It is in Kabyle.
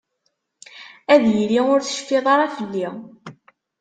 Ad yili ur tecfiḍ ara fell-i.